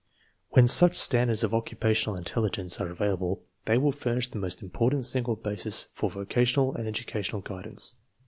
When such standards of oc cupational intelligence are available, they will furnish the most important single basis for vocational and edu cational guidance.